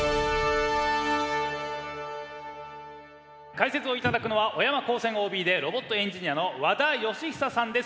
解説を頂くのは小山高専ＯＢでロボットエンジニアの和田義久さんです。